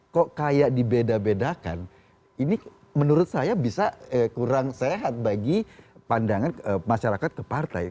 kok kayak dibeda bedakan ini menurut saya bisa kurang sehat bagi pandangan masyarakat ke partai